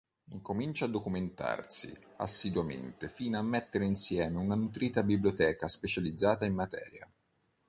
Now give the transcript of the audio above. Incomincia a documentarsi assiduamente fino a mettere insieme una nutrita biblioteca specializzata in materia.